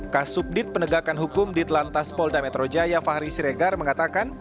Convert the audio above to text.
kas subdit penegakan hukum ditlantas polda metro jaya fahri siregar mengatakan